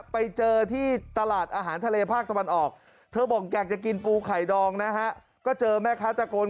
ไปเจอที่ตลาดอาหารทะเลภาคตะวันออกเธอบอกอยากจะกินปูไข่ดองนะฮะก็เจอแม่ค้าตะโกน